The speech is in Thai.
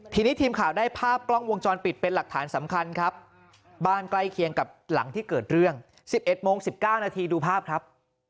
ทีนี้ทีมข่าวได้ภาพกล้องวงจรปิดเป็นหลักฐานสำคัญครับบ้านใกล้เคียงกับหลังที่เกิดเรื่อง๑๑โมง๑๙นาทีดูภาพครับ